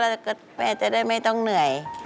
แล้วก็แม่จะได้ไม่ต้องเหนื่อย